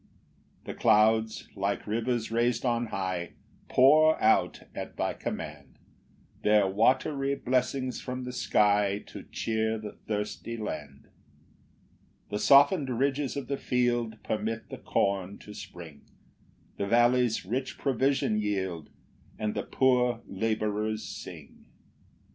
2 The clouds, like rivers rais'd on high, Pour out, at thy command, Their watery blessings from the sky, To cheer the thirsty land. 3 The soften'd ridges of the field Permit the corn to spring; The vallies rich provision yield, And the poor labourers sing.